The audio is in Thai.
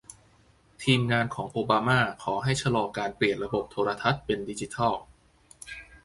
ทีมงานของโอบามาขอให้ชะลอการเปลี่ยนระบบโทรทัศน์เป็นดิจิทัล